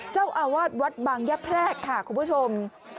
เจ้าอาวาสวัดบางยะแพรกค่ะคุณผู้ชม